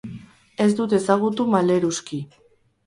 Ez dut ezagutu maleruski.